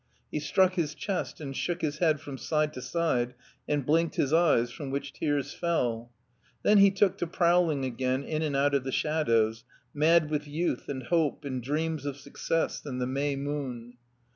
He struck his chest and shook his head from side to side, and blinked his eves from which tears fell. Then he took to prowling again in and out of the shadows, mad with youth and hope and dreams of success and the May moon.